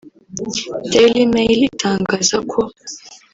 Dailymail itangaza ko